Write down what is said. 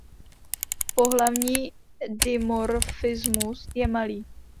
Pohlavní dimorfismus je malý.